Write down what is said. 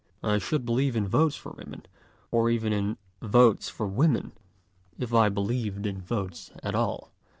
I should believe in votes for women, or even in Votes for Women, if I believed in votes at all.